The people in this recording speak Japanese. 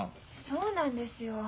そうなんですよ。